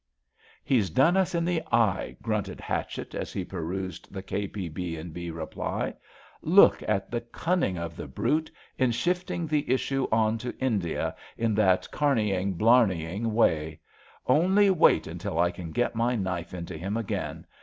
••*•••" He's done us in the eye," grunted Hatchett as he perused the K.P.B. and B. reply. " Look at SUPPLEMENTARY CHAPTER 163 the cunning of the brute in shifting the issue on to India in that carneying, blarneying way! Only wait until I can get my knife into him again.